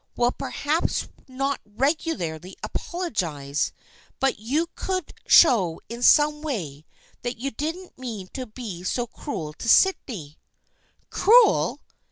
" Well, perhaps not regularly apologize, but you could show in some way that you didn't mean to be so cruel to Sydney." "Cruel!"